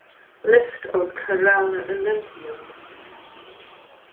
List of Kerala Olympians